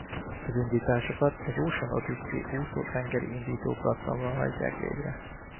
Az indításokat az Ocean Odyssey úszó tengeri indító platformról hajtják végre.